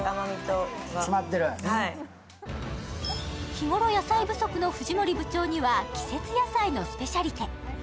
日頃野菜不足の藤森部長には季節野菜のスペシャリテ。